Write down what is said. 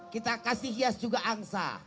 kita kasih hias juga angsa